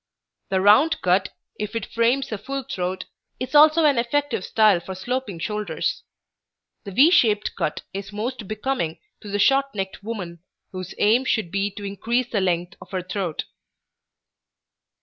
The round cut, if it frames a full throat, is also an effective style for sloping shoulders. The V shaped cut is most becoming to the short necked woman, whose aim should be to increase the length of her throat.